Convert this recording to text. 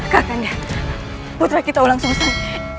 kakanda putra kita ulang susah